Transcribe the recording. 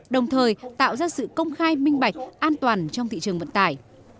đồng thời tạo ra sự công khai minh bạch an toàn trong thị trường vận tải